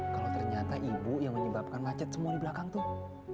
kalau ternyata ibu yang menyebabkan macet semua di belakang tuh